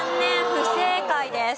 不正解です。